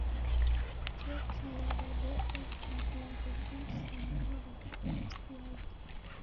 Keki yadadekwa na vilambo vingi, sa maghi na siagi